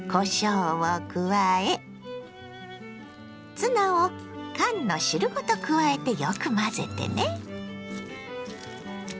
ツナを缶の汁ごと加えてよく混ぜてね。